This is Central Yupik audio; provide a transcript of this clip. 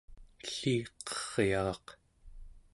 elliqeryaraq